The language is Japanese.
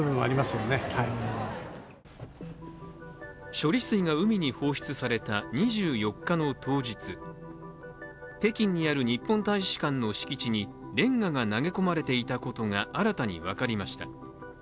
処理水が海に放出された２４日の当日、北京にある日本大使館の敷地にれんがが投げ込まれていたことが新たに分かりました。